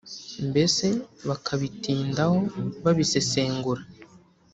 mbese bakabitindaho babisesengura